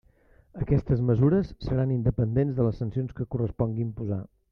Aquestes mesures seran independents de les sancions que correspongui imposar.